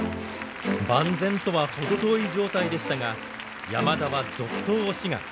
万全とは程遠い状態でしたが山田は続投を志願。